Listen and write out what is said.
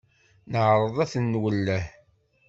Neɛreḍ ad ten-nwelleh.